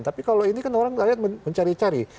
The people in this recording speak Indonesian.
tapi kalau ini kan orang rakyat mencari cari